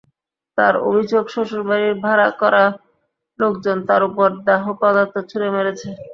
তাঁর অভিযোগ, শ্বশুরবাড়ির ভাড়া করা লোকজন তাঁর ওপর দাহ্য পদার্থ ছুড়ে মেরেছে।